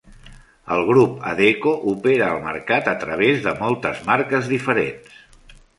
El grup Adecco opera al mercat a través de moltes marques diferents.